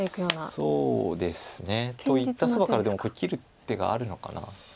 そうですね。と言ったそばからでもこれ切る手があるのかな。